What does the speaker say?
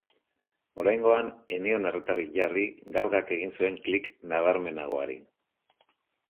Oraingoan ez zion arretarik jarri galgak egin zuen klik nabarmenagoari.